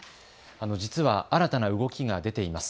実は新たな動きが出ています。